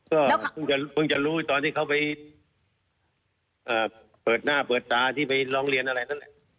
ก็เพิ่งจะรู้ตอนที่เขาไปเปิดหน้าเปิดตาที่ไปร้องเรียนอะไรนั่นแหละ